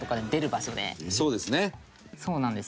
「そうなんです」